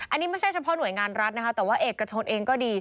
อันนี้ไม่ใช่เฉพาะหน่วยงานรัฐนะครับ